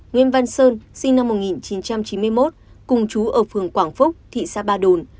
nguyễn văn sơn sinh năm một nghìn chín trăm chín mươi một cùng chú ở phường quảng phúc thị xã ba đồn